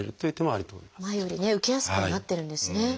前よりね受けやすくはなってるんですね。